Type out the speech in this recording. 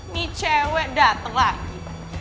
nih cewek dateng lagi